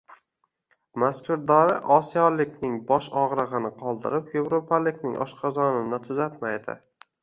Mazkur dori osiyolikning bosh og‘rig‘ini qoldirib, yevropalikning oshqozonini tuzatmaydi.